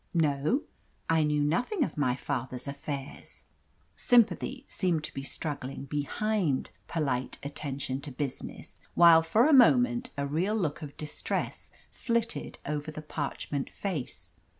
"No; I knew nothing of my father's affairs." Sympathy seemed to be struggling behind "Polite Attention to Business," while for a moment a real look of distress flitted over the parchment face.